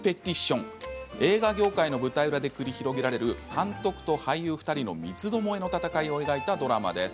映画業界の舞台裏で繰り広げられる監督と俳優２人の三つどもえの戦いを描いたドラマです。